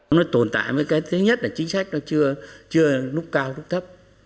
nó tồn tại với cái thứ nhất là chính sách nó chưa nút cao nút thấp